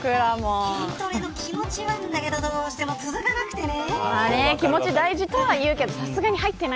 筋トレの気持ちはあるんだけどどうしても続かなくてね。